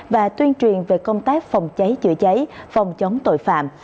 và tuyên truyền về công tác phòng cháy chữa cháy phòng chống tội phạm